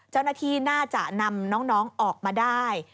เจ้าหน้าที่น่าจะนำน้องออกมาได้